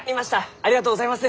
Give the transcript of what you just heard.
ありがとうございます！